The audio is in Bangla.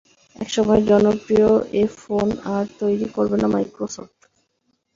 একসময়ের জনপ্রিয় এ ফোন আর তৈরি করবে না মাইক্রোসফট।